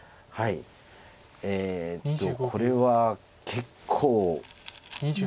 えっとこれは結構。